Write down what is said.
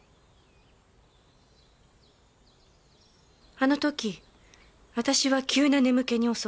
あの時私は急な眠気に襲われた。